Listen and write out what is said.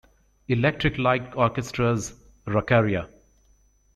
Electric Light Orchestra's Rockaria!